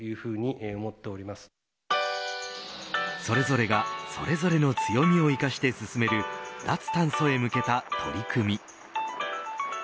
それぞれがそれぞれの強みを生かして進める脱炭素へ向けた取り組み。